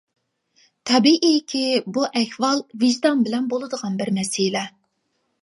تەبىئىيكى بۇ ئەھۋال ۋىجدان بىلەن بولىدىغان بىر مەسىلە.